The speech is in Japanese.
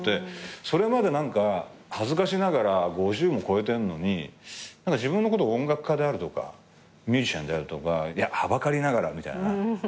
それまで何か恥ずかしながら５０も超えてんのに自分のこと音楽家であるとかミュージシャンであるとかいやはばかりながらみたいな。